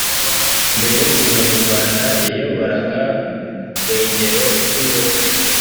mbere yo kuza mu Rwanda yayoboraga urwengero rw’inzoga